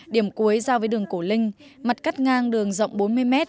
điểm cuối giao với đường cổ linh mặt cắt ngang đường rộng bốn mươi m